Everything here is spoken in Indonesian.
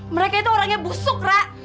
mereka itu orangnya busuk rak